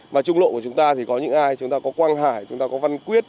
mà trung lộ của chúng ta thì có những ai chúng ta có quang hải chúng ta có văn quyết